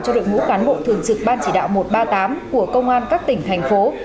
cho đội ngũ cán bộ thường trực ban chỉ đạo một trăm ba mươi tám của công an các tỉnh thành phố